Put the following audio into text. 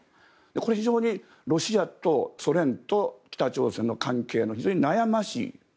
これは非常にロシアとソ連と北朝鮮の関係の非常に悩ましい。